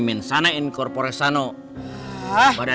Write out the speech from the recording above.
bukan itu yang terlalu banyak